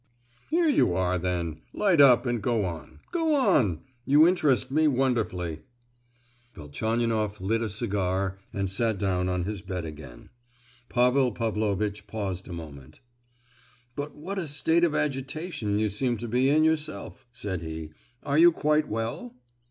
"Here you are, then! Light up and go on,—go on! you interest me wonderfully." Velchaninoff lit a cigar and sat down on his bed again. Pavel Pavlovitch paused a moment. "But what a state of agitation you seem to be in yourself!" said he, "are you quite well?"